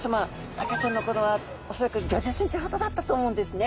赤ちゃんの頃は恐らく５０ｃｍほどだったと思うんですね。